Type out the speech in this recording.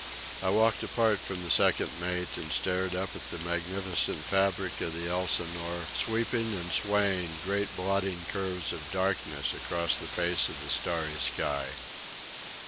I walked apart from the second mate and stared up at the magnificent fabric of the Elsinore sweeping and swaying great blotting curves of darkness across the face of the starry sky.